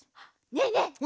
ねえねえ！